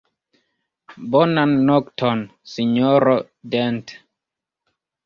Bonan nokton, sinjoro Dent.